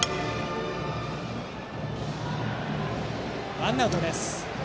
ワンアウトです。